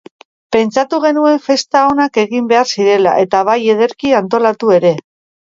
Pentsatu genuen festa onak egin behar zirela, eta bai ederki antolatu ere